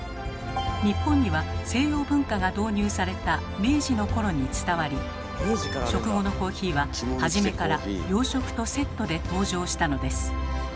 日本には西洋文化が導入された明治の頃に伝わり食後のコーヒーは初めから洋食とセットで登場したのです。